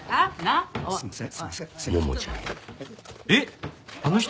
ああすいません。